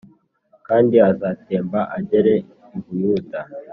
kandi azatemba agere i Buyuda